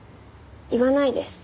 言わないです。